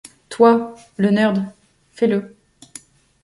Toi, le nerd : fais-le.